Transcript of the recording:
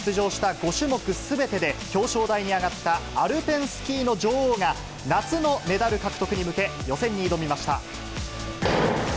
５種目すべてで表彰台に上がったアルペンスキーの女王が、夏のメダル獲得に向け、予選に挑みました。